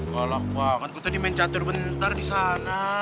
gak laku banget gue tadi main catur bentar disana